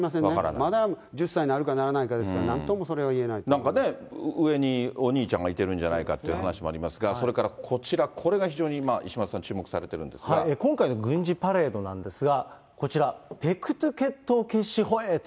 まだ１０歳になるかならないかですから、なんか、上にお兄ちゃんがいてるんじゃないかという話もありますが、それからこちら、これが非常に、今回の軍事パレードなんですが、こちら、ペクトゥ血統決死保衛と。